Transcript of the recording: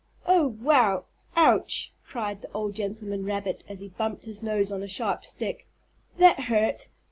"Oh, wow! Ouch!" cried the old gentleman rabbit as he bumped his nose on a sharp stick. "That hurt!